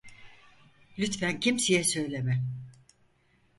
Lütfen kimseye söyleme.